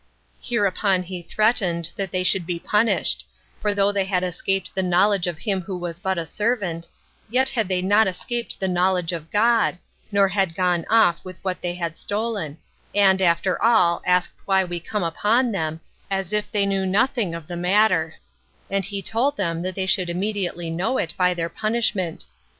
Hereupon he threatened that they should be punished; for though they had escaped the knowledge of him who was but a servant, yet had they not escaped the knowledge of God, nor had gone off with what they had stolen; and, after all, asked why we come upon them, as if they knew nothing of the matter: and he told them that they should immediately know it by their punishment.